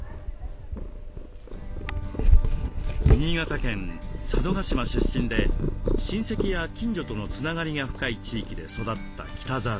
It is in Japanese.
新潟県佐渡島出身で親戚や近所とのつながりが深い地域で育った北澤さん。